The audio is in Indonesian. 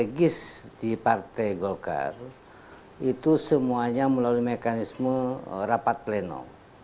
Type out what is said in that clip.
strategis di partai golkar itu semuanya melalui mekanisme rapat pleno